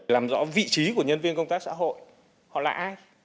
làm rõ vị trí của nhân viên công tác xã hội họ là ai